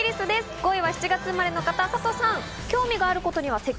５位は７月生まれの方、サトさん。